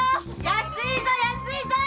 安いぞ安いぞー！